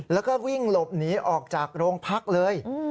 แล้วก็วิ่งหลบหนีออกจากโรงพักเลย